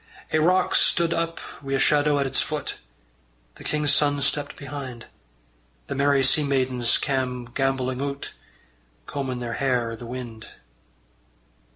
Ae rock stud up wi' a shadow at its foot: The king's son stepped behind: The merry sea maidens cam' gambolling oot, Combin' their hair i' the wind.